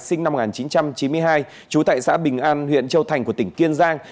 sinh năm một nghìn chín trăm chín mươi hai trú tại xã bình an huyện châu thành của tỉnh kiên giang